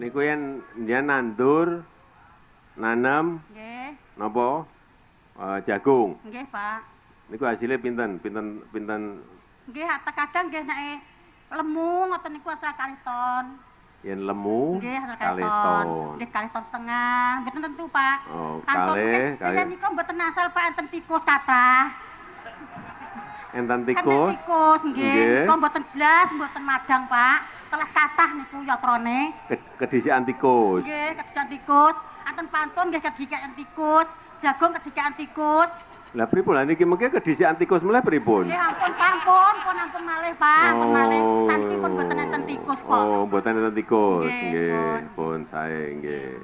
presiden joko widodo berdialog dengan warga saat penyerahan surat keputusan pengelolaan perhutanan sosial kepada masyarakat kelompok tani hutan